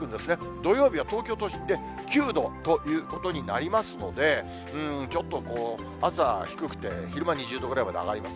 土曜日は東京都心で９度ということになりますので、ちょっとこう、朝低くて、昼間２０度ぐらいまで上がります。